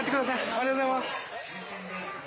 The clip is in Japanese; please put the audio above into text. ありがとうございます。